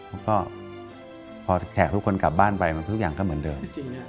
แล้วก็พอแขกทุกคนกลับบ้านไปทุกอย่างก็เหมือนเดิม